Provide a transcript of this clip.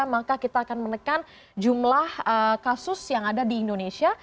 maka kita akan menekan jumlah kasus yang ada di indonesia